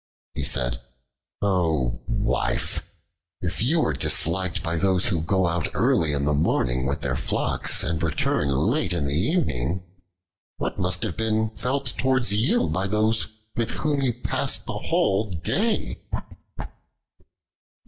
He said, "O Wife, if you were disliked by those who go out early in the morning with their flocks and return late in the evening, what must have been felt towards you by those with whom you passed the whole day!"